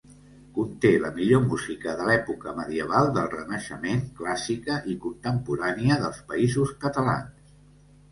Conté la millor música de l’època medieval, del renaixement, clàssica i contemporània dels Països Catalans.